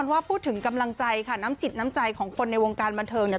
ว่าพูดถึงกำลังใจค่ะน้ำจิตน้ำใจของคนในวงการบันเทิงเนี่ย